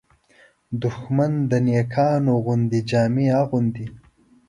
دښمن د نېکانو غوندې جامې اغوندي